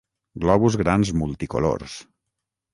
Globus grans multicolors.